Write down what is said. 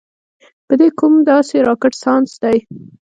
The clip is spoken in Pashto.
پۀ دې کوم داسې راکټ سائنس دے -